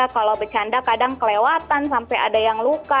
kalau becanda kadang kelewatan sampai ada yang luka